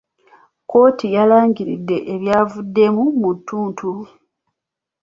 kkooti yalangiridde ebyavuddemu mu ttuntu.